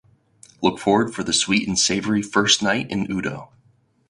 Look forward for the sweet and savory first night in Udo!